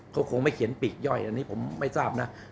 เขาคงไม่เขียนปีกย่อยอันนี้ผมไม่ทราบนะ